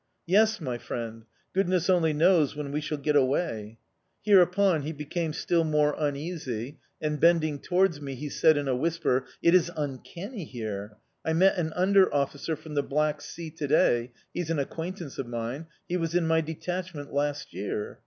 "Yes, my friend; goodness only knows when we shall get away!" Hereupon he became still more uneasy, and, bending towards me, he said in a whisper: "It is uncanny here! I met an under officer from the Black Sea to day he's an acquaintance of mine he was in my detachment last year.